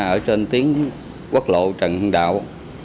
ở trên tiến quốc lộ trần hưng đạo